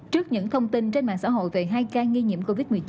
trước những thông tin trên mạng xã hội về hai ca nghi nhiễm covid một mươi chín